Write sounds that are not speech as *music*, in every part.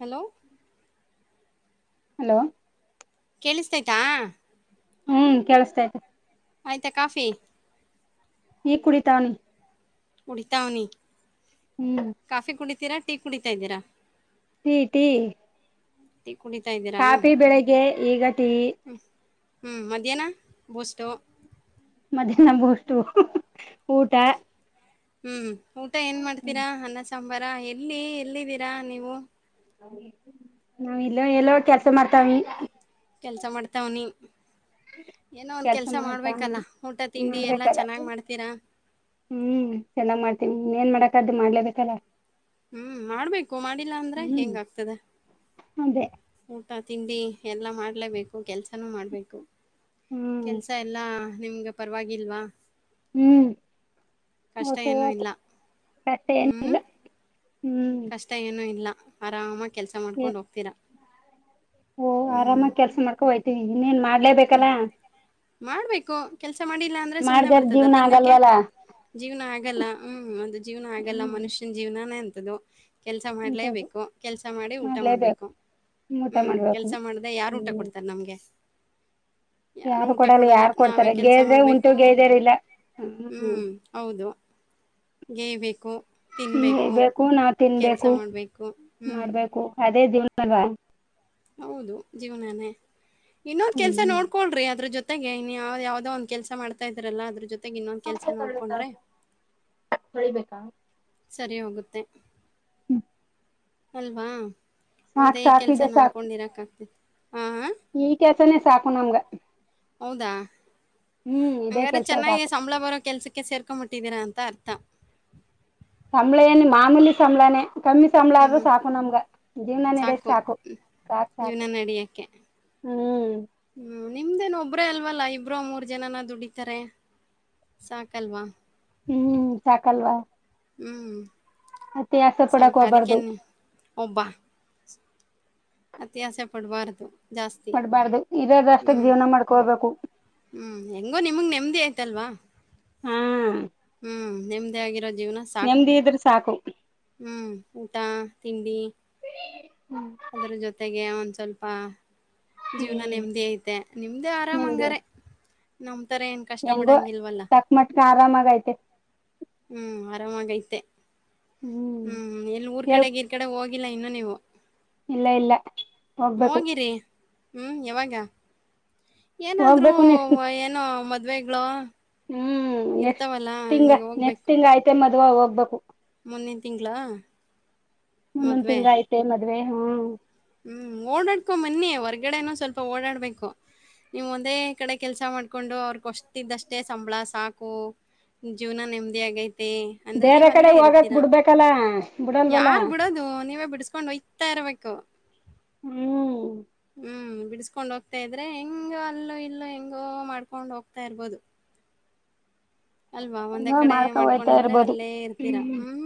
Hello hello *inaudible* ಕೇಳಿಸ್ತಯ್ತಾ ಹ್ಮ್ ಕೇಳಿಸತೈತೆ ಆಯ್ತಾ ಕಾಫಿ ನೀರ್ ಕುಡಿತಾವ್ನಿ ಹುಡುಕ್ತಾವ್ನಿ ಹ್ಮ್ ಕಾಫಿ ಕುಡಿತೀರಾ ಟೀ ಕುಡಿತಾ ಇದೀರಾ ಟೀ ಟೀ ಟೀ ಕುಡಿತಾ ಇದ್ದೀರಾ ಕಾಫಿ ಬೆಳಿಗ್ಗೆ ಈಗ ಟೀ ಹ್ಮ ಹ್ಞೂ ಮಧ್ಯಾಹ್ನ ಬೋಸ್ಟ ಮದ್ಯಾನ ಬೋಸ್ಟ್ ಊಟ ಹ್ಮ್ ಊಟ ಏನ್ ಮಾಡ್ತೀರಾ ಅನ್ನ ಸಾಂಬಾರ ಎಲ್ಲಿ ಎಲ್ಲಿದ್ದೀರಾ ನೀವು ನಾವ್ ಇಲ್ಲೋ ಎಲ್ಲೋ ಕೆಲ್ಸ ಮಾಡ್ತಾವಿ ಕೆಲಸ ಮಾಡ್ತಾವನಿ ಏನೋ ಒಂದ ಕೆಲ್ಸ ಮಾಡ್ಬೇಕಲ್ಲ ಊಟ ತಿಂಡಿ ಎಲ್ಲಾ ಮಾಡ್ಬೇಕಲ್ಲ ಚೆನ್ನಾಗ್ ಮಾಡ್ತೀರಾ ಹ್ಮ್ ಚೆನ್ನಾಗ್ ಮಾಡ್ತೀನಿ ಏನ್ ಮಾಡಕ ಅ್ದ್ ಮಾಡ್ಲೇಬೇಕಲ್ಲ ಹ್ಮ್ ಮಾಡ್ಬೇಕು ಮಾಡಿಲ್ಲಾ ಅಂದ್ರೆ ಹ್ಮ್ ಹೆಂಗ ಆಗ್ತದೆ ಅದೇ ಊಟ ತಿಂಡಿ ಎಲ್ಲಾ ಮಾಡ್ಲೇಬೇಕು ಕೆಲ್ಸನೂ ಮಾಡ್ಬೇಕು ಹ್ಮ್ ಕೆಲ್ಸ ಎಲ್ಲಾ ನಿಮ್ಗೆ ಪರವಾಗಿಲ್ವಾ ಹ್ಮ್ ಕಷ್ಟ ಏನೂ ಇಲ್ಲ ಕಟ್ಟೆ ಏನಿಲ್ಲ ಹ್ಮ್ ಇಷ್ಟ ಏನೂ ಇಲ್ಲ ಆರಾಮಾಗಿ ಕೆಲಸ ಮಾಡ್ಕೊಂಡು ಹೋಗ್ತೀರಾ ಓ ಹ್ಮ್ ಆರಾಮಾಗ ಕೆಲ್ಸ ಮಾಡ್ಕೊ ಹೋಗಯ್ತೀವಿ ಇನ್ನೇನ್ ಮಾಡ್ಲೇಬೇಕಲ್ಲಾ ಮಾಡ್ಬೇಕು ಕೆಲ್ಸ ಮಾಡಿಲ್ಲ ಅಂದ್ರೆ ಸುಮ್ನೆ ಮಾಡ್ದಾರ ಬರ್ತದ ಜೀವ್ನ ತಿನ್ನಕ್ಕೆ ಆಗಲ್ವಲ್ಲ ಜೀವನ ಆಗಲ್ಲ ಹ್ಮ್ ಅದು ಜೀವನ ಆಗಲ್ಲ ಹ್ಮ್ ಮನುಷ್ಯನ ಜೀವನಾನೇ ಅಂತದು ಕೆಲಸ ಅಂತದು ಮಾಡಲೇಬೇಕು ಕೆಲಸ ಮಾಡಿ ಊಟ ಮಾಡ್ಲೇಬೇಕು ಮಾಡಬೇಕು ಊಟ ಹ್ಮ್ ಮಾಡ್ಬೇಕು ಕೆಲ್ಸ ಮಾಡ್ದ ಯಾರು ಊಟ ಹ್ಮ್ ಕೊಡ್ತಾರ ನಮ್ಗೆ ಯಾರು ಊಟ ಕೊಡಲ್ಲ ಯಾರ್ ನಾವೇ ಕೊಡ್ತಾರೆ ಕೆಲಸ ಗೇದ್ರೆ ಉಂಟು ಮಾಡ್ಬೇಕು ಗೇದರ್ ಇಲ್ಲ ಹ್ಮ್ ಹೌದು ಗೇಯಬೇಕೇಕು ಹ್ಮ ಇರ್ಬೇಕು ನಾವ್ ತಿನ್ಬೇಕು ಮಾಡ್ಬೇಕು ಹ್ಮ್ ಮಾಡ್ಬೇಕು ಅದೇ ದವ್ನ ಅಲ್ವಾ ಹೌದು ಜೀವನಾನೇ ಇನ್ನೊಂದ ಕೆಲ್ಸ ಹ್ಮ್ ನೋಡ್ಕೊಳ್ರಿ ಅದ್ರ ಜೊತೆ ಜೊತೆಗೆನ್ ಯಾವ್ ಯಾವ್ದದೋ ಒಂದ ಕೆಲ್ಸ ಮಾಡತಾ ಇದರಲ್ಲ ಅದ್ರ ಜೊತೆಗೆ ಇನ್ನೊಂದ ಕೆಲ್ಸ ನೋಡ್ಕೊಂಡ್ರೆ ಹೊಬೇಕಾ ಸರಿ ಹೋಗುತ್ತೆ ಹ್ಮ ಅಲ್ವಾ ಒಂದೇ ಸಾಕು ಕೆಲ್ಸ ಇದೆ ಸಾಕು ನಮಕೊಂಡಿರಕ್ ಆಗ್ತಿತಿ ಈ ಕೆಲಸನೇ ಸಾಕು ನಮ್ಗ ಹೌದಾ ಹ್ಮ್ ಇದೇ ಹಂಗ್ರ ಕೆಲ್ಸ ಚೆನ್ನಾಗಿ ಸಾಕು ಸಂಬಳ ಬರೋ ಕೆಲ್ಸಕ್ಕೆ ಸೇರ್ ಹಾಕ್ಕೊಂಬಿಟ್ಟಿದ್ದೀರಾ ಅಂತ ಅರ್ಥ ಸಂಭಳನೆ ಮಾಮೂಲಿ ಸಂಭಳಾನೆ ಕಮ್ಮಿ ಹ್ಮ್, ಸಂಬಳಾದ್ರರು ಹ್ಮ್. ಸಾಕು ನಮ್ಗ ಜೀವನ ನಡಕ್ ಸಾಕು ಸಾಕ್ ಸಾಕು ಜೀವನ ನಡಿಯಕ್ಕೆ. ಹ್ಮ್ ಹ್ಮ್ ನಿಮ್ದೇನ್ ಒಬ್ರೇ ಅಲ್ವಲ್ಲ ಇಬ್ರ ಮೂರ್ ಜನನ ದುಡಿತಾರೆ ಸಾಕಲ್ವಾ ಹ್ಮ್ ಸಾಕಲ್ವಾ ಹ್ಮ್ ಅತಿ ಆಸೆ ಪಡಕ್ ಹೋಗ್ಬಾರ್ದು ಸಾಕಾಧಿಕನು ಒಬ್ಬಾ ಅತ್ಯಾಸ ಪಡುವಾರ್ದು ಮಾಡಡ್ಬಾರ್ದು ಇದರ ದಷ್ಟಕ್ ಜೀವನ ಮಾಡ್ಕೋರ್ಬೇಕು ಹ್ಮ್ ಹೆಂಗೋ ನಿಮಗ್ ನೆಮ್ಮ ಆಯ್ತಲ್ವಾ ಹ್ಮ್ ಹ್ಮ್ ನೆಮ್ದೇ ಆಗಿರೋ ಜೀವನ ಸಾಕು ನೆಮದಿ ಇದ್ರರು ಸಾಕು ಹ್ಮ್ ಊಟ ತಿಂಡಿ ಹ್ಮ್ ಅದ್ರ ಜೊತೆಗೆ ಒಂದ್ ಸ್ವಲ್ಪ ಜೀವನ ಹ್ಮ್ ನೆಮ್ಮದಿ ಐತೆ ನಿಮ್ದೇ ಆರಾಮ ನಿಮ್ಗೆ ಹಂಗಾರೆ ನಂಬ್ತಾರೆ ಏನ್ ಕಷ್ಟ ಹೆಂಗೋ ಪಡಂಗಿಲ್ವಲ್ಲ ಚಕ್ ಮಟ್ಕ ಆರಾಮಾಗ ಐತೆ ಹ್ಮ್ ಆರಾಮಾಗೈತೆ ಹ್ಮ್ ಎಲ್ಲಿ ಊರ್ ಎಲ್ ಕಡೆ ಗೀರ್ ಕಡೆ ಹೋಗಿಲ್ಲಾ ಇನ್ನು ನೀವು ಇಲ್ಲ ಇಲ್ಲ ಹೋಗ್ಬೇಕು ಹೋಗಿರಿ ಹ್ಮ್ ಯಾವಾಗ ಏನಾದ್ ಹೋಗ್ಬೇಕು ನೆಕ್ಸ್ಟ್ ಏನೋ ಮದ್ವೆಗಳು ಹ್ಮ್ ನೆಕ್ಸ್ಟ್ ಇರ್ತಾವಲ್ಲ ತಿಂಗ ಹಂಗೆ ನೆಕ್ಸ್ಟ್ ತಿಂಗ್ ಆಯ್ತೆ ಮದ್ವ ಹೋಗ್ಬೇಕು ಮುನ್ನಿನ ತಿಂ ಮುಂದೊಂದ್ ತಿಂಗ್ ಐತೆ ಮದ್ವೆ ಹಾ ಹ್ಮ್ ಓಡಾಡ್ಕೊ ಮನ್ನಿ ಹೊರ್ಗಡೆನ ಸ್ವಲ್ಪ ಓಡಾಡ್ಬೇಕು ನೀವ್ ಒಂದೇ ಕಡೆ ಕೆಲ್ಸ ಮಾಡ್ಕೊಂಡು ಅವ್ರಗೊಷ್ಟ್ದಷ್ಟೇ ಸಂಬಳ ಸಾಕು ಜೀವನ ನೆಮ್ಮದಿ ಆಗೈತೆ ಅಂದ್ರೆ ಬೇರೆ ನೀವ್ ಕಡೆ ಅಲ್ಲೇ ಹೋಗಕ್ ಇರ್ತೀರಾ ಬಿಡ್ಬೇಕಲ್ಲ ಬಿಡಲ್ವಲ್ಲ. ಯಾರು ಬಿಡೋದು ನೀವೇ ಬಿಡಸ್ಕೊಂಡ್ಯತ ತರಬೇಕಕ್ಕು ಹ್ಮ್ ಹ್ಮ್ ಬಿಡಿಸಕೊಂಡ್ ಹೋಗ್ತಾ ಇದ್ರೆ ಹೆಂಗ ಅಲ್ಲೂ ಇಲ್ಲೋ ಹೆಂಗೋ ಮಾಡ್ಕೊಂಡ್ ಹೋಗ್ತಾ ಇರ್ಬೋದು ಅಲ್ವಾ ಒಂದೇ ಹೆಂಗೋ ಕಡೆ ಮಾಡ್ಕೊ ಹೋಯ್ತಾ ಮಾಡ್ಕೊಂಡಿದ್ರೆ ಇರ್ಬೋದು. ಅಲ್ಲೇ ಇರ್ತೀರಾ ಹ್ಮ್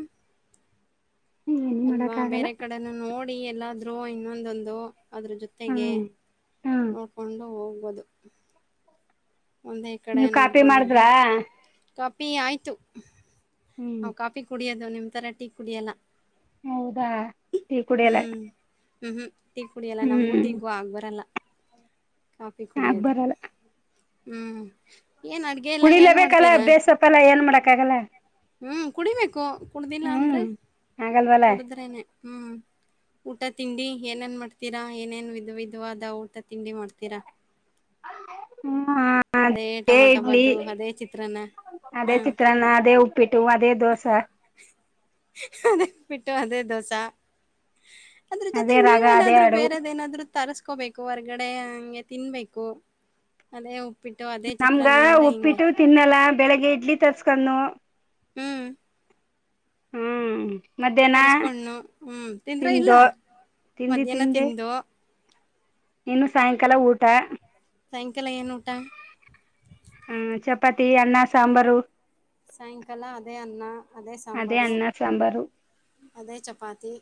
ಏನ್ ಅಲ್ವಾ ಮಾಡಕ್ ಆಗಲ್ಲ ಬೇರೆ ಕಡೆನ ನೋಡಿ ಎಲ್ಲಾದ್ ಇನ್ನೊಂದೊಂದು ಅದ್ರ ಜೊತೆಗೆ ಹ್ಮ್ ಹ್ಮ್ ನೋಡ್ಕೊಂಡು ಹೋಗ್ಬೋದು ಒಂದೇ ಕಡೆ ನೀವ್ ಕಾಪಿ ಮಾಡಿದ್ರಾ. ನೋಡ್ಕೊಂಡಿದ್ರೆ ಕಾಪಿ ಆಯ್ತು ಹ್ಮ್ ಹ ಕಾಫಿ ಕುಡಿಯೋದು ನಿಮ ತರ ಟೀ ಕುಡಿಯಲ್ಲ ಹೌದಾ ಟೀ ಕುಡಿಯಲ್ಲ ಹ್ಮ್ ಹ್ಮ್ ಹ್ಮ್ ಟೀ ಕುಡಿಯಲ್ಲ ಹ್ಮ್ ನಮ್ಗೂಟೀ ಕು ಹೂ ಆಗಬರಲ್ಲ ಕಾಫಿ ಆಗ್ ಕುಡಿಯೋದು ಬರಲ್ಲ ಹ್ಮ್ ಏನ್ ಅಡ್ಗ ಕುಡಿಿಲೇ ಬೇಕಲ್ಲ ಬೇಸಪ್ಪಲ್ಲಾ ಏನ್ ಮಾಡಕ್ಕ ಆಾಗಲ್ಲ ಹ್ಮ್ ಕುಡಿಬೇಕು ಕುಡ್ದಿಲ್ಲ ಅಂದ್ರೆ ಹ್ಮ್ ಆಗಲ್ವಲ್ಲ ಕುಡಿದ್ರೇನೆ ಹ್ಮ್ ಊಟ ತಿಂಡಿ ಏನೇನ್ ಮಾಡ್ತೀರಾ ಏನೇನ್ ವಿ ವಿಿದಾದ ಊಟ ತಿಂಡಿ ಮಾಡ್ತೀರಾ ಹ್ಮ್ ಅದೇ ಟೊಮಾಟೊ ಬ್ದು ಅದೇ ಚಿತ್ರನ್ನ *inaudible* ಅದೇ ಚಿತ್ರಾನ್ನ ಅದೇ ಉಪ್ಪಿಟ್ಟು ಅದೇ ದೋಸೆ ಅದ ಪಿಟ್ಟು ಅದೇ ದೋಸ ಅದ್ರ ಅದೇ ಜೊತೆಗೆ ನೀವ ರಾಗ ಅದೇ ಏನಾದ್ರು ಅಡುವು ಬೇರೆದ ಏನಾದ್ರು ತರ್ಸ್ಕೋಬೇಕು ಹೊರ್ಗಡೆ ಹಂಗೆ ತಿನ್ಬೇಕು ಅದೇ ಉಪ್ಪಿಟ್ಟು ಅದೇ ಚಿತ್ರನ ಅಂದ್ರೆ ಹಿಂಗೆ ತಿನ್ನಲ್ಲಾ ಬೆಳಗ್ಗೆ ಇಡ್ಲಿ ತರ್ಸ್ಕೊಂಡು ಹ್ಮ್ ಹ್ಮ್ ಮಧ್ಯಾಹ್ನ ತರಿಸ್ಕೊಂಡು ಹ್ಮ್ ತಿಂದ್ರ ಇಲ್ಲ ತಂದುೋ ತಿಿಂದಿ ಮಧ್ಯಾಹ್ನ ತಿಿಂದೆ ತಿಂದು ಇನ್ನು ಸಾಯಂಕಾಲ ಊಟ ಸಾಯಂಕಾಲ ಏನೂಊಟಾ ಹ್ಮ ಚಪಾತಿ ಅನ್ನಾ ಸಾಂಬಾರು ಸಾಯಂಕಾಲ ಅದೇ ಅನ್ನ ಅದೇ ಸಾಂಬಾರು ಅನ್ನ ಸಾಂಬಾರು ಅದೇ ಚಪಾತಿ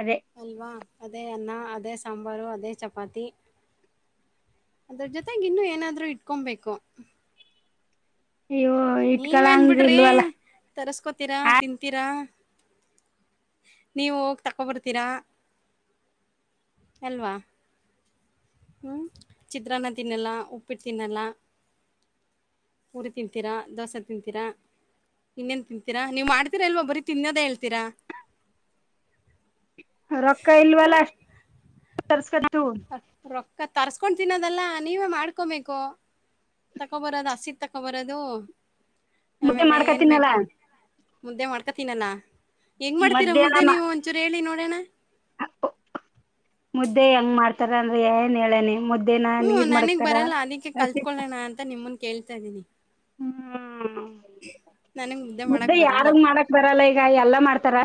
ಅದೇ ಅಲ್ವಾ ಅದೇ ಅನ್ನ ಅದೇ ಸಾಂಬಾರು ಅದೇ ಚಪಾತಿ ಅದ್ರ ಜೊತೆಗೆ ಇನ್ನು ಏನಾದ್ರು ಇಟ್ಕೊಬೇಕು ಹವ *inaudible* ನೀವೇನ್ ಬಿಡ್ರಿ ತರ್ಸ್ಕೋತೀರಾ ಆ ತಿಂತೀರಾ ನೀವು ಹೋಗಿ ತಕೊಬರ್ತೀರಾ ಅಲ್ವಾ ಹ್ಮ್ ಚಿತ್ರಾನ್ನ ತಿನ್ನಲ್ಲ ಉಪ್ಪಿಟ್ಟು ತಿನ್ನಲ್ಲ ಊರಿ ತಿಂತೀರಾ ದೋಸೆ ತಿಂತೀರಾ ಇನ್ನೇನ್ ತಿಂತೀರಾ ನೀವು ಮಾಡ್ತೀರಾ ಇಲ್ವಾ ಬರೀ ತಿನ್ನೋದೇ ಹೇಳ್ತೀರಾ ರೊಕ್ಕ ಇಲ್ವಲ್ಲ ಅಷ್ಟ ತರ್ ಅ ರೊಕ್ಕ ತರ್ಸ್ಕೊಂಡು ತಿನ್ನೋದಲ್ಲ ನೀವೇ ಮಾಡ್ಕೊಬೇಕು ತಕೊಬರೋದು ಹಸತ್ ತಕೊಬರೋದು ಮುದ್ದೆ ಆಮೇಲೆ ಏನ್ ಮಾಡ್ಕತಿನಲ್ಲ ಬೇಕು ಮುದ್ದೆ ಮಾಡ್ಕೊತೀನನಾ ಹೆಂಗ್ ಮಾಡ್ತೀರಾ ಮಧ್ಯಾಹ್ನ ಮುದ್ದೆ ಮಾ ನೀವು ಒಂಚೂರು ಹೇಳಿ ನೋಡೋಣ ಮುದ್ದೆ ಹೆಂಗ ಮಾಡ್ತಾರ ಅಂದ್ರೆ ಏನ್ ಹೇಳನೆ ಮುದ್ದೆ ಹ್ಮ ನನಗ್ ಬರಲ್ಲ ಅದಕ್ಕೆ ಕಲ್ತ್ಕೊಳ್ಳೋಣ ಅಂತ ನಿಮನ್ ಕೇಳ್ತಾ ಇದೀನಿ ಹ್ಮ *unintelligible* ನನಗ್ ಮುದ್ದೆ ಮಾಡಕ್ ಬರಲ್ಲ ಯಾರಾಗ ಮಾಡಕ್ ಬರಲ್ಲ ಈಗ ಎಲ್ಲಾ ಮಾಡ್ತಾರ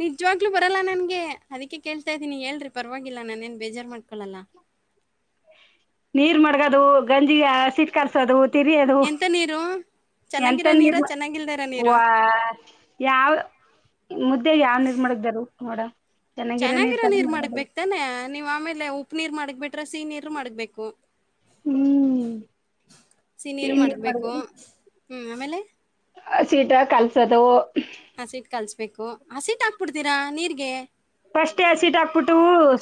ನಿಜವಾಗ್ಲೂ ಬರಲ್ಲ ನನ್ಗೆ ಅದಕ್ಕೆ ಕೇಳ್ತಾ ಇದ್ದೀನಿ ಹೇಳ್ರಿ ಪರವಾಗಿಲ್ಲ ನಾನೆನು ಬೇಜಾರ್ ಮಾಡ್ಕೊಳ್ಳಲ್ಲ ನೀರ್ ಮಡಗೋದು ಗಂಜಿ ಅಸೀಟ್ ಕಲ್ಸದು ತಿರಿಯದು ಎಂತ *unintelligible* ನೀರು? ಎಂತ ಚೆನ್ನಾಗಿರೋ ನೀ ನೀರಾ? ಚೆನ್ನಾಗಿಲ್ದೇ ಇರೋ *inaudible* ನೀರಾ? ಯಾವ ಮುದ್ದೆಗೆ ಯಾವ್ ನೀರ್ ಮಡಗದರು ನೋಡ ಚೆನ್ನಾಗಿರೋ ನೀರ್ ತನೆ ಮಡಗದು ತಾನೆ ನೀವ್ ಆಮೇಲೆ ಉಪ್ಪ ನೀರ್ ಮಾಡ್ಗಬಿಟ್ರೆ ಸಿಹಿ ನೀರು ಮಾಡ್ಬೇಕು ಹ್ಮ್ *unintelligible* ಸಿನೀರು ಸಿಹಿ ನೀರ್ ಮಾಡ್ಗ್ಬೇಕು ಹ್ಮ್ ಆಮೇಲೆ ಅಶೀಟ ಕಲ್ಸೋದು ಹಸಿಟ್ ಕಲಿಸಬೇಕು ಹಸಿಟ್ ಹಾಕ್ಬಿಡ್ತೀರಾ ನೀರಿಗೆ ಫಸ್ಟ್ ಆಸಿಡ್ ಹಾಕ್ಬಿಟ್ಟು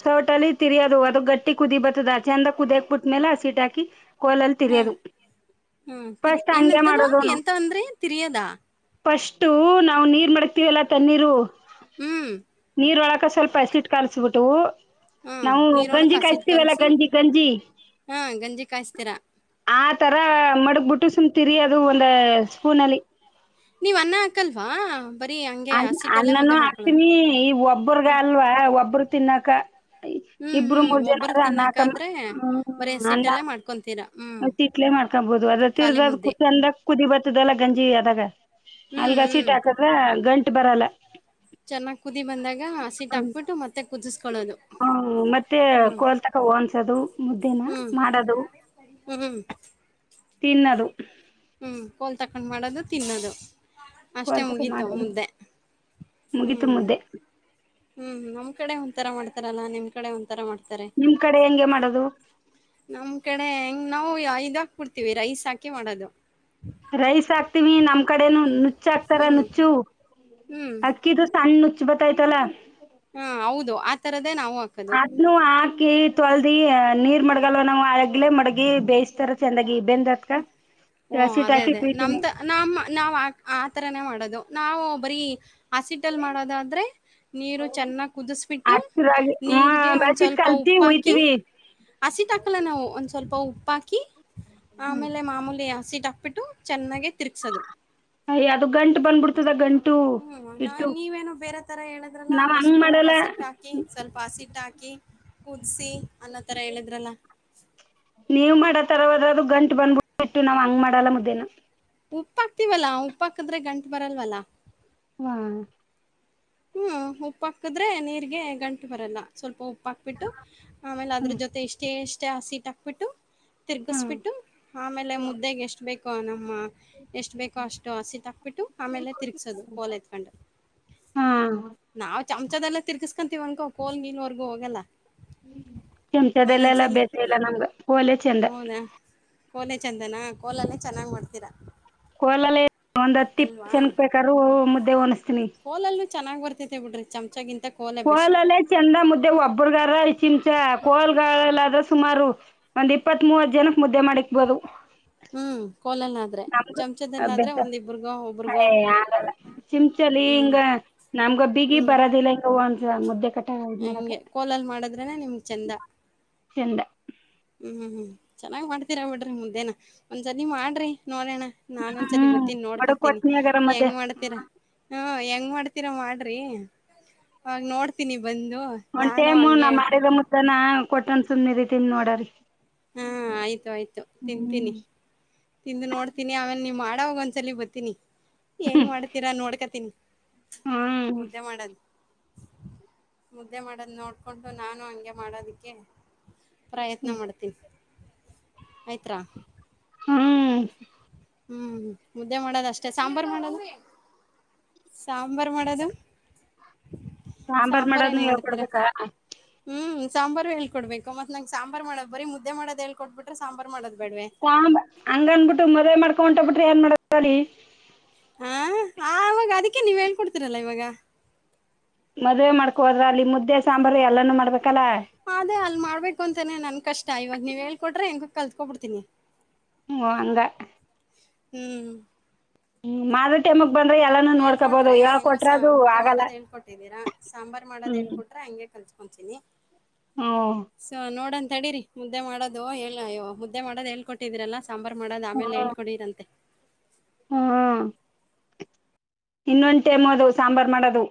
ಸೌಟಲ್ಲಿ ತ ತಿರಿಯೋದು ಅದ ಗಟ್ಟ ಕುದಿ ಬತ್ತತದ ಆ ಚಂದ ಕುದಿಯಾಕ್ಬಿಟ್ಟು ನೆಲಾಸಿಟಾಕಿ ಕೋಲಲ್ಲಿ ಹಾಂ. ತಿರಯೋದು ಹಾಂ. ತಿರ್ ಫಸ್ಟ್ ಹಂಗೆ ಏನಂತದು? ಮಾಡೋದು ನ ಎಂತ ಅಂದ್ರಿ? ತಿರ್ಯೋದಾ? ಫಸ್ಟ್ ನಾವು ನೀರ್ ಮಾಡಕ್ತೀವಲ್ಲ ತಣ್ಣಿರು ಹ್ಮ್. ನೀರ್ ಒಳ ಕ್ಕ ಸ್ವಲ್ಪ ಅಸಿಟ್ ಕಾಣಿಸಸ್ಬಿಟ್ಟು ಹಾಂ. ನಾವು ಗಂಜಿ ನೀರೊಳಕ್ಕೆ ಹಸಿಟ್ಟು ಕಾಯಸ್ತೀವಲ್ಲಾ ಕಲಸಿ ಗಂಜಿ ಗಂಜಿ ಹಾಂ ಗಂಜಿ ಕಾಯಿಸ್ತೀರಾ? ಆ ತರ ಮಡಗ್ಬಿಟ್ಟು ಸುಮ್ ತಿರಿಯೋದು ಅದು ಒಂದು ಸ್ಪೂನಲ್ಲಿ ನೀವ್ ಅನ್ನ ಹಾಕಲ್ವಾ. ಬರೀ ಹಂಗೆ ಅ ಹಸಿಟ್ಟಲ್ಲೇ ಅಣ್ಣನು ಮುದ್ದೆ ಮಾಡ್ಕೊಳೋದು. ಹಾಕ್ತೀವೆ ಈ ಒಬ್ರಗ ಅಲ್ವಾ ಒಬ್ಬ್ರ ತಿನ್ನಕ ಹ್ಮಞೂ ಇಬ್ರು ಹ್ಮಞೂ ಮೂರ್ ಜನ ಒಬ್ಬರು ಅನ್ನ ಹಾಕಮ್ಮ ತಿನ್ನೋಕ್ಕಾದ್ರೆ ಬರ ಹಸಿಟ್ಟುಲ್ಲೇ ಮಾಡ್ಕೊತೀರಾ. ಅ ತಿಿಟ್ಲೆ ಮಾಡ್ಕೊಬಹುದು ಅದ ತಿರ್ದ ಮುದ್ದೆ. ಚಂದ ಕುದಿ ಬರ್ತದಲ್ಲ ಗಂಜಿ ಅದಾಗ ಹ್ಮ್, ಹ್ಮ್. ಅಲ್ಗಸೀಟ್ ಹಾಕದ್ರ ಗಂಟು ಬರಲ್ಲ ಚೆನ್ನಾಗ್ ಕುದಿ ಬಂದಾಗ ಹಸೀಟ್ ಹ್ಮ್ ಹಾಕ್ಬಿಟ್ಟು ಮತ್ತೆ ಕುದಿಸಕೊಳ್ಳೋದು ಹ್ಮ್, ಮತ್ತೆ ಹ್ಮ ಕೋಲ್ ತಕ ಓನ್ಸದು ಮುದ್ದೇನ ಮಾಡದು. ಹ್ಮ್ ಹ್ಮ್ ತಿನ್ನದು ಹ್ಮ್ ಕೋಲ್ ತಕೊಂಡ್ ಮಾಡದು ತಿನ್ನದು ಅಷ್ಟೆ ಕೋಲ್ ತಕ ಮುಗೀತು ಮಾಡೋದು ಮುದ್ದೆ ಮುಗೀತು ಹ್ಮ್ ಮುದ್ದೆ ಹ್ಮ್ ನಮ್ ಕಡೆ ಒಂಂತರ ಮಾಡತಾರಲ್ಲ ನಿ್ ಕಡೆ ಒಂಂತರ ಮಾಡ್ತಾರೆ. ನಿಮ್ ಕಡೆ ಹೆಂಗೆ ಮಾಡೋದು. ನಮ್ ಕಡೆ ಹೆಂಗ್ ನಾವು ಇದಾಗಬಡ್ತೀವಿ ರೈಸ್ ಹಾಕಿ ಮಾಡೋದು ರೈಸ್ ಹಾಕ್ತಿವಿ ನಮ್ ಕಡೆನು ಹ್ಮ್, ನುಚ್ಚ ಹಾಕ್ತಾರ ಹ್ಮ್. ನುಚ್ಚು ಹ್ಮ್. ಅಕ್ಕಿದ ಸನ್ ನುಚ್ಚು ಬತಾಯ್ತಲ್ಲಾ ಹಾ ಹೌದು ಆ ತರದೇ ನಾವು ಹಾಕದು ಇದನು ಹಾಕಿ ತೊಳದಿ ನೀರ್ ಮಡಗಲ್ವ ನಾವು ಅಗ್ಲೇ ಮಡಗಿ ಬೇಯಿಸಸ್ತಾರ ಚೆಂದಾಗಿ ಬೆಂದ ಓ ಅದೇ ಅದೇ ನಮ್ದ ನಮ್ಮ ನಾವು ಆ ಆ ಥರನೇ ಮಾಡೋದು ನಾವು ಬರೀ ಹಸ್ಿಟಲ್ ಮಾಡೋದಾದ್ರೆ ನೀರು ಚೆನ್ನಾಗಿ್ ಕುದಿಸಬಿಟ್ಟು ಹಚ್ಚರಾಗಿ ಹಾ ನೀರ್ಗೆ ಒಂದ್ ಬೆಳಸಿಟ್ ಸ್ವಲ್ಪ ಕಲ್ಸಿ ಉಪ್ಪಾಕಿ ಒಯ್ತೀವಿ ಹಸಿಟ್ಟ ಹಾಕಲ್ಲ ನಾವು ಒಂದ್ ಸ್ವಲ್ಪ ಉಪ್ಪಾಕಿ ಹ್ಮ್ ಆಮೇಲೆ ಮಾಮೂಲಿ ಸೀಟ್ ಹಕ್ಬಿಟ್ಟು ಚೆನ್ನಾಗೆ ತಿರ್ಗ್ಸೋದು ಅಯ ಅದು ಗಂಟ್ ಬಂದ್ಬಿಡ್ತದ ಗಂಟ ಹ್ಮ್ ನಾ ನೀವೇನ ಬೇರೆ ತರ ಹೇಳಿದ್ರಲ್ಲ ನಾವ್ ಹಂಗ್ ಫಸ್ಟು ಮಾಡಲ್ಲ ಹಸಿಟ್ಟ ಹ ಹಾಕಿ ಸ್ವಲ್ಪ ಹಸಿಟ್ಟ ಹಾಕಿ ಕುದಿಸಿಿ ಅನ್ನೋ ತರ ಹೇಳಿದ್ರಲ್ಲ ನೀವ್ ಮಾಡತರವದ್ರ ಅದು ಗಂಟು ಬಂದ್ಬಟ್ಟ ಬಿಟ್ಟು ನಾವ್ ಹಂಗ ಮಾಡಲ್ಲ ಮುದ್ದೇನ ಉಪ್ಪ ಹಾಕ್ತಿವಲ್ಲಾ ಉಪ್ಪಾಕಿದ್ರೆ ಗಂಟ್ ಬರಲ್ವಲ್ಲ ಹಾ ಹ್ಮ್ ಉಪ್ಪ ಹಾಕದ್ರೆ ನೀರ್ಗೆ ಗಂಟು ಬರಲ್ಲ ಸ್ವಲ್ಪ ಉಪ್ಪಾಕ್ಬಿಟ್ಟು ಆಮೇಲೆ ಅದ್ರ ಹ್ಮ್ ಜೊತೆ ಎಷ್ಟೇ ಎಷ್ಟೇ ಹಸೀಟ್ ಹಾಕ್ಬಿಟ್ಟು ಹ್ಮ್ ತಿರ್ಗಿಸಬಿಟ್ಟು ಆಮೇಲೆ ಮುದ್ದೆಗೆ ಎಷ್ಟ್ ಬೇಕೋ ನಮ್ಮ ಎಷ್ಟು ಬೇಕೋ ಅಷ್ಟು ಹಸಿಟ್ ಹಕ್ಬಿಟ್ಟು ಆಮೇಲೆ ತಿರುಗ್ಸೋದು ಕೋಲ್ ಎತ್ಕೊಂಡು ಹಾ ನಾವವು ಚಮಚದೆಲ್ಲ ತಿರ್ಗಿಸಕೊಂತೀವನ್ಕೋ ಕೋಲ್ ನೀನ್ವರೆಗೂ ಹೋಗಲ್ಲ ಹ್ಮ ಕೆಂಚದೆಲ್ಲ ಎಲ್ಲಾ ಒಂದೊಂದ್ಸಲಿ ಬೇಸ ಇಲ್ಲ ನಮ್ಗೆ ಕೋಲೆ ಚೆಂದ ಕೋಲೆ ಚಂದನ ಕೋಲಲ್ಲೇ ಚೆನ್ನಾಗ್ ಮಾಡ್ತೀರಾ ಕೋಲಲ್ಲ ಒಂದ್ ಹತ್ತಿಪ್ಪ ಅಲ್ವಾ ಚೆನ್ ಬೇಕಾದ್ರರು ಮುದ್ದೆ ಒಣಿಸಸ್ತೀನಿ ಹೋಲಲ್ಲೂ ಚೆನ್ನ್ ಬರ್ತೆ ಬಿಡ್ರಿ ಚಮಚಾಗಿಗಿಂತ ಕೋಲಲ್ಲೇ ಚಂದ ಮುದ್ದೆ ಒಬ್ಬ್ರಗಾರ ಚಿಂಚ ಕೋಲ್ಲದ್ರ ಸುಮಾರು ಒಂದ್ ಇಪ್ಪತ್ ಮೂವತ್ ಜನಕ್ ಮುದ್ದೆ ಮಾಡಿಕ್ಬೋದು ಹ್ಮ್ ಕೊಲಲ್ಲ ನಮ್ಗ ಅಸ ಒಬ್ರಗೋ ಹಯ ಆಗಲ್ಲ ಚಿಂಚಲಿ ಹ್ಮ್ ಹಿಂಗ ನಮ್ಗ ಬಿಗಿ ಹ್ಮ್ ಬರೋದಿಲ್ಲ ಇ ಒಂದಸ ಮುದ್ದೆ ಕಟ್ಟ ಹಂಗೆ ಕೋಲಲ್ ಮಾಡದ್ರನೆ ನಿಮ್ ಚಂದ ಎಂಡ ಹ್ಮ್ ಹ್ಮ್ ಹ್ಮ್ ಚನ್ನಾಗ್ ಮಾಡ್ತೀರ ಬಿಡ್ರಿ ಮುದ್ದೇನ ಒಂದ್ ಜನಿ ಮಾಡ್ರಿ ನೋಡಣ ನಾನೊಂದ್ಸಲ ಬತ್ತೀನಿ ಬಡಗ್ ನೋಡ್ಕೊಂತೀನಿ ಕೊಟ್ನಿಗಾರ ಮತ್ತೆ ಹೆಂಗ್ ಮಾಡ್ತೀರಾ ಹ್ಮ ಹೆಂಗ್ ಮಾಡ್ತೀರಾ ಮಾಡ್ರಿ ಅವಾಗ ನೋಡ್ತೀನಿ ಬಂದು ಒಂದ್ ನಾನು ಟೈಮ್ ನಾ ಹಂಗೆ ಮಾಡಿದ ಮುತ್ತನ ಕೊಟ್ಟನ್ ಸುಮ್ ಇದತಿನಿ ನೋಡ್ರರಿ ಹಾ ಆಯ್ತು ಆಯ್ತು ತಿಂತೀನಿ ಹ್ಮ್ ತಿಂದು ನೋಡ್ತೀನಿ ಆಮೇಲೆ ನೀವು ಮಾಡೋವಾಗ ಒಂದ್ಸಲ ಬರ್ತೀನಿ ಹೆಂಗ್ ಮಾಡ್ತೀರಾ ನೋಡ್ಕೋತೀನಿ ಹ್ಮ್ ಮುದ್ದೆ ಮಾಡದ ಮುದ್ದೆ ಮಾಡೋದ ನೋಡ್ಕೊಂಡು ನಾನು ಹಂಗೆ ಮಾಡೋದಕ್ಕೆ ಪ್ರಯತ್ನ ಮಾಡ್ತೀನಿ ಆಯ್ತ್ರಾ ಹ್ಮ್ ಹ್ಮ್ ಮುದ್ದೆ ಮಾಡದ ಅಷ್ಟೇ ಸಾಂಬಾರ್ ಮಾಡದು ಸಾಂಬಾರ್ ಮಾಡೋದು ಸಾಂಬಾರ್ ಮಾಡೋದ್ನ ಹೆಂಗ್ ಹೇಳ್ ಮಾಡ್ತೀರಾ ಕೊಡ್ಬೇಕ ಹ್ಮ್ ಸಾಂಬಾರು ಹೇಳ್ ಕೊಡ್ಬೇಕುತ್ ನಂಗಗೆ ಸಾಂಬಾರ್ ಮಾಡೋದ ಬರರಿ ಮುದ್ದೆ ಮಾಡೋ ಹೇಳ್ಬಿಟ್ರೆ ಸಾಂಬಾರಾರ್ ಮಾಡೋ ಬೇಡ್ವೆ *unintelligible* ಹ ಹಂಗ ಅನ್ಬಿಟ್ಟು ಮದ್ವೆ ಮಾಡ್ಕೋ ಬಿಟ್ಟು ಹೊಂಟ್ ಹೋಗ್ ಬಿಟ್ರೆ ಏನ್ ಮಾಡ್ತರಿ ಹಾ ಆ ಆವಾಗ ಅದಕ್ಕೆ ನೀವ್ ಹೇಳ್ಕೊಡ್ತಿರಲ್ಲ ಇವಾಗ ಮದ್ವೆ ಮಾಡ್ಕೊ ಹೋದ್ರ ಅಲ್ಲಿ ಮುದ್ದೆ ಸಾಂಬಾರು ಎಲ್ಲಾನೂ ಮಾಡ್ಬೇಕಲ್ಲಾ ಅದೇ ಅಲ್ ಮಾಡ್ಬೇಕು ಅಂತಾನನೆ ನನ್ ಕಷ್ಟ ಇವಾಗ ನೀವ ಹೇಳ್ಕೊಟ್ರೆ ಹೆಂಗ ಕಲ್ತ್ಕೊ ಬಿಡ್ತೀನಿ ಹ ಅಂದ ಹ್ಮ್ ಹ್ಮ್ ಮಾಡ ಟೈಂಮಕ್ ಬಂದ್ರೆ ಎಲ್ಲಾನು ನೀವ್ ನೋಡ್ಕೋಬಹುದು ಹೇಳ್ಕೊಟ್ರೆ ಹೆಂಗೋಸ ಹೇಳ್ಕೊಟ್ರದು ಮುದ್ದೆ ಆಗಲ್ಲ ಮಾಡೋದ್ ಹೇಳ್ಕೊಟ್ಟಿದ್ದೀರಾ ಸಾಂಬಾರ್ ಮಾಡೋದ್ ಹ್ಮ್ ಹೇಳ್ಕೊಟ್ರೆ ಹಂಗೆ ಕಲ್ಚಕೊಂನಿ ಹ್ಮ ಸ ನೋಡಂತ ಅಡೀರಿ ಮುದ್ದೆ ಮಾಡೋದು ಹೇಳ ಅಯ್ಯೋ ಮುದ್ದೆ ಮಾಡೋದು ಹೇಳ್ಕೊಟ್ಟಿದೀರಲ್ಲಾ ಸಾಂಬಾರ್ ಮಾಡೋದು ಆಮೇಲೆ ಹೇಳ್ಕಡಡಿರಂತೆ ಹ್ಮ ಇನ್ನೊಂದ್ ಟೈಮ ಅದು ಸಾಂಬಾರ ಮಾಡೋದು.